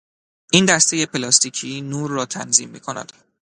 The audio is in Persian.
این دستهی پلاستیکی نور را تنظیم میکند.